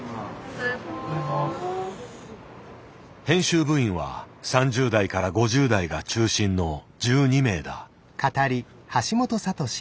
編集部員は３０代から５０代が中心の１２名だ。